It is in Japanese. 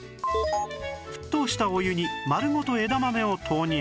沸騰したお湯に丸ごと枝豆を投入